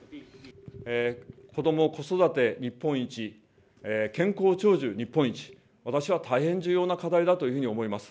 子ども・子育て日本一、健康長寿日本一、私は大変重要な課題だというふうに思います。